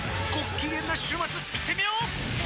きげんな週末いってみよー！